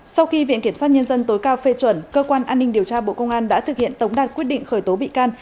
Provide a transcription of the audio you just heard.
sau khi viện kiểm sát nhân dân tối cao phê chuẩn cơ quan an ninh điều tra bộ công an đã thực hiện tống đạt quyết định khởi tố bị can